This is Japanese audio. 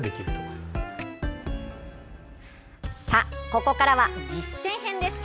ここからは実践編です。